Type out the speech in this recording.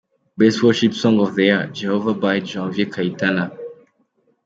Best Worship song of the year: Jehova by Janvier Kayitana.